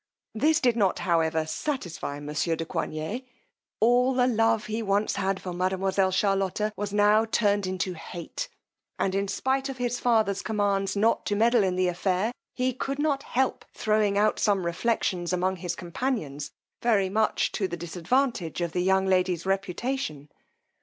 This did not however satisfy monsieur de Coigney: all the love he once had for mademoiselle Charlotta was now turned into hate; and in spite of his father's commands not to meddle in the affair, he could not help throwing out some reflections among his companions, very much to the disadvantage of the young lady's reputation.